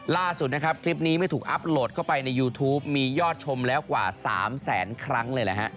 ล่าสุดนะครับคลิปนี้เมื่อถูกอัพโหลดเข้าไปในยูทูปมียอดชมแล้วกว่า๓แสนครั้งเลยแหละฮะ